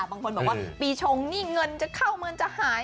บางคนบอกว่าปีชงนี่เงินจะเข้าเงินจะหาย